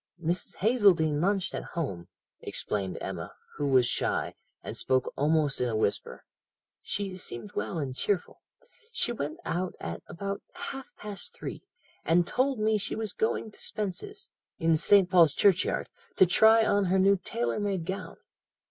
"'Mrs. Hazeldene lunched at home,' explained Emma, who was shy, and spoke almost in a whisper; 'she seemed well and cheerful. She went out at about half past three, and told me she was going to Spence's, in St. Paul's Churchyard, to try on her new tailor made gown.